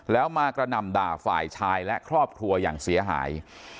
แล้วมากระหน่ำด่าฝ่ายชายและครอบครัวอย่างเสียหาย